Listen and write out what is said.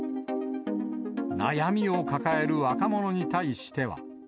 悩みを抱える若者に対しては。